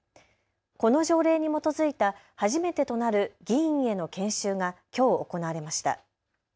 この条例に基づいた初めてとなる議員への研修がきょう行われました。